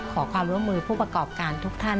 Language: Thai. ขอความร่วมมือผู้ประกอบการทุกท่าน